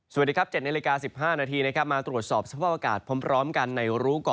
สวัสดีครับเจ็ดใน